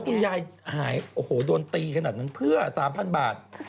คุณยายหายโอ้โหโดนตีขนาดนั้นเพื่อ๓๐๐บาท